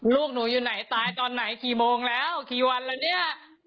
ลูกหนูอยู่ไหนตายตอนไหนกี่โมงแล้วกี่วันแล้วเนี่ย